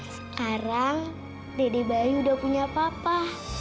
sekarang dede bayi udah punya papa